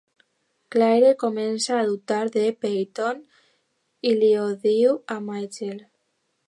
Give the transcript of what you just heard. Claire comença a dubtar de "Peyton" i li ho diu a Michael.